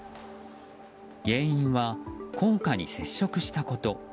原因は高架に接触したこと。